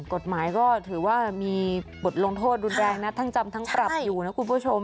กฎหมายก็ถือว่ามีบทลงโทษรุนแรงนะทั้งจำทั้งปรับอยู่นะคุณผู้ชม